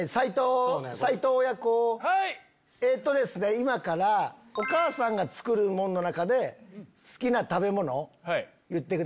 今からお母さんが作るものの中で好きな食べ物言ってください。